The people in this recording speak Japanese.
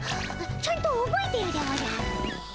ちゃんとおぼえているでおじゃる。